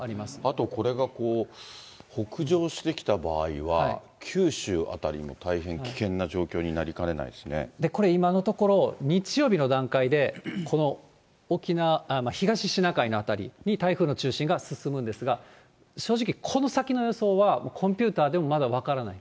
あとこれがこう北上してきた場合は、九州辺りも大変危険な状これ、今のところ日曜日の段階でこの沖縄、東シナ海の辺りに台風の中心が進むんですが、正直、この先の予想はコンピューターでもまだ分からない。